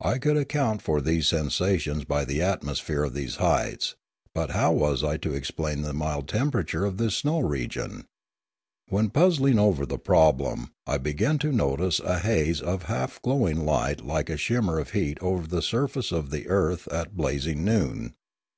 I could account for these sensations by the atmosphere of these heights, but how was I to explain the mild temperature of this snow region? When puzzling over the problem, I began to notice a haze of half glowing light like the shimmer of heat over the surface of the earth at blazing noon.